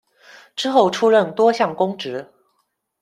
之后出任多项公职。